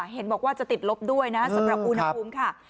เห็นบอกว่าจะติดลบด้วยนะสำหรับอุณหภูมิค่ะ